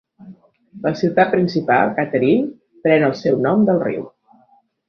La ciutat principal, Katherine, pren el seu nom del riu.